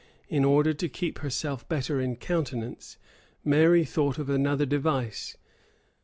In order to keep herself better in countenance, Mary thought of another device.